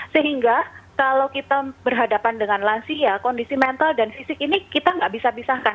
sehingga kalau kita berhadapan dengan lansia kondisi mental dan fisik ini kita nggak bisa pisahkan